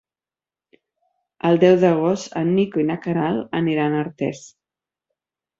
El deu d'agost en Nico i na Queralt aniran a Artés.